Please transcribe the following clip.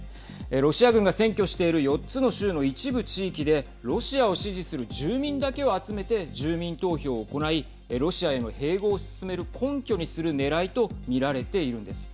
ロシア軍が占拠している４つの州の一部地域でロシアを支持する住民だけを集めて住民投票を行いロシアへの併合を進める根拠にするねらいと見られているんです。